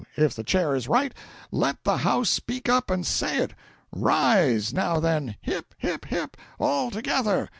If the Chair is right, let the house speak up and say it. Rise! Now, then hip! hip! hip! all together!"